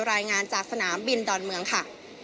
รายงานจากสนามบินดอนเมืองค่ะ